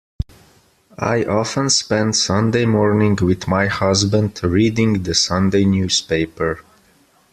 I often spend Sunday morning with my husband, reading the Sunday newspaper